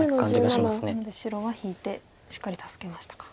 なので白は引いてしっかり助けましたか。